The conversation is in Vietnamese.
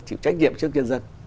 chịu trách nhiệm trước nhân dân